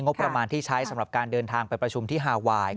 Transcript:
งบประมาณที่ใช้สำหรับการเดินทางไปประชุมที่ฮาไวน์